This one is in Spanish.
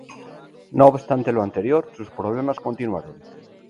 No obstante lo anterior, sus problemas continuaron.